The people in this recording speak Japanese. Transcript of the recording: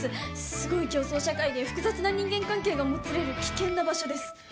すごい競争社会で複雑な人間関係がもつれる危険な場所です